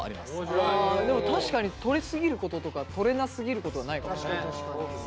でも確かに取りすぎることとか取れなすぎることないかもね。